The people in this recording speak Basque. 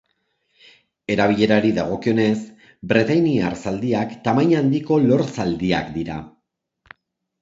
Erabilerari dagokionez, bretainiar zaldiak tamaina handiko lor-zaldiak dira.